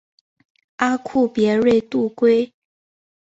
阿库别瑞度规。